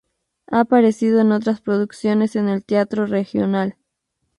Ha aparecido en otras producciones en el teatro regional.